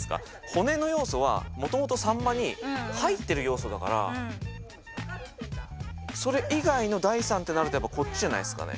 「骨」の要素はもともと「秋刀魚」に入ってる要素だからそれ以外の第３ってなるとやっぱこっちじゃないですかね。